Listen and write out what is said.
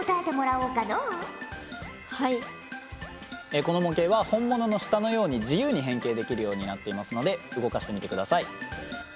この模型は本物の舌のように自由に変形できるようになっていますので動かしてみてください。